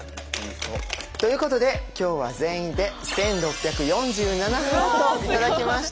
ということで今日は全員で１，６４７ハート頂きました。